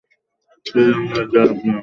জ্বি, ধন্যবাদ দেয়া লাগবে না।